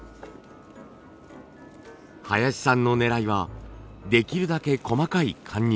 林さんのねらいはできるだけ細かい貫入。